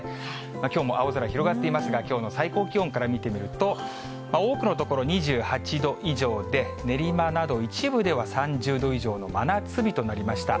きょうも青空広がっていますが、きょうの最高気温から見てみると、多くの所２８度以上で、練馬など一部では３０度以上の真夏日となりました。